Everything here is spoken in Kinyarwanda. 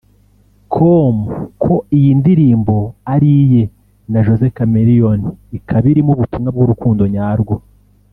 com ko iyi ndirimbo ari iye na Jose Chameleone ikaba irimo ubutumwa bw'urukundo nyarwo